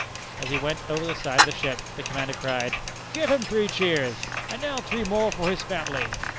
As he went over the side of the ship, the commander cried, "Give him three cheers!" "And now three more for his family!"